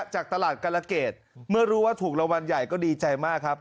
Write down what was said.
จากตลาดกรเกตเมื่อรู้ว่าถูกรางวัลใหญ่ก็ดีใจมากครับ